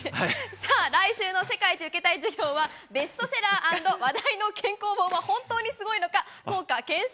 来週の「世界一受けたい授業」はベストセラー＆話題の健康本は本当にすごいのか効果検証